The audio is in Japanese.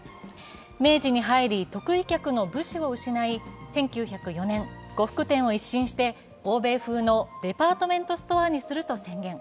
明治に入り、得意客の武士を失い、１９０４年、呉服店を一新して欧米風のデパートメントストアにすると宣言。